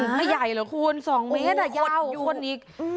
ไม่ใหญ่เหรอคุณ๒เมตรยดคนอีก